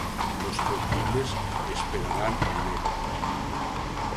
Los Gentiles esperarán en él.